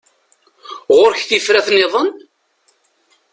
Ɣur-k tifrat-nniḍen?